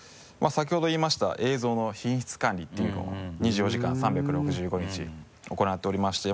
先ほど言いました映像の品質管理っていうのを２４時間３６５日行っておりまして。